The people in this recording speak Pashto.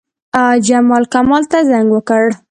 جمال، کمال ته زنګ وکړ.